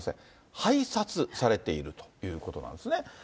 拝察されているということなんですね。